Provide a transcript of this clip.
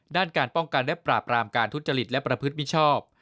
ด้านการป้องกันและปราบรามการทุจริตและประพฤติมิชชอบ